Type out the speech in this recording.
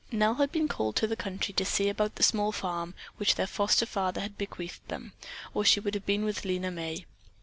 Nell had been called to the country to see about the small farm which their foster father had bequeathed them, or she would have been with Lena May.